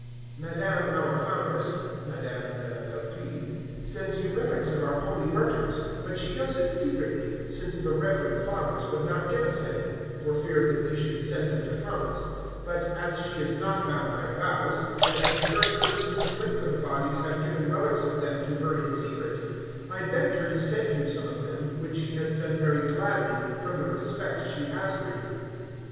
"Madame our foundress (Madame de la Peltrie) sends you relics of our holy martyrs; but she does it secretly, since the reverend Fathers would not give us any, for fear that we should send them to France: but, as she is not bound by vows, and as the very persons who went for the bodies have given relics of them to her in secret, I begged her to send you some of them, which she has done very gladly, from the respect she has for you."